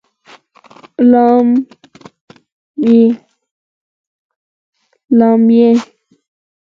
لامبي